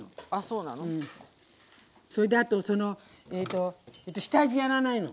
それであと下味やらないの。